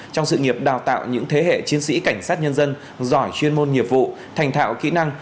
trong sự nghiệp đào tạo những thế hệ chiến sĩ cảnh sát nhân dân giỏi chuyên môn nghiệp vụ thành thạo kỹ năng